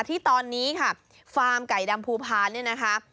ที่ตอนนี้ค่ะฟาร์มไก่ดำภูพาลเนี่ยนะคะ